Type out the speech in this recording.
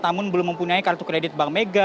namun belum mempunyai kartu kredit bank mega